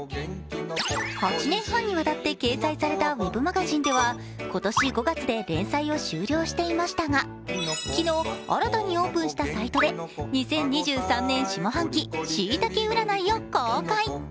８年半にわたって掲載されたウェブマガジンでは今年５月で連載を終了していましたが、昨日、新たにオープンしたサイトで２０２３年下半期しいたけ占いを公開。